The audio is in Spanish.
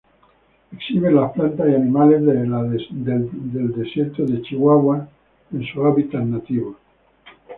Exhiben las plantas y animales de la Desierto de Chihuahua en sus hábitat nativos.